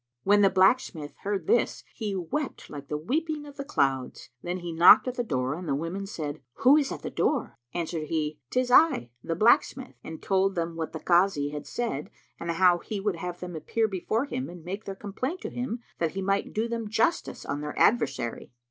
When the blacksmith heard this, he wept like the weeping of the clouds. Then he knocked at the door and the women said, "Who is at the door?" Answered he, "'Tis I, the blacksmith," and told them what the Kazi had said and how he would have them appear before him and make their complaint to him, that he might do them justice on their adversary.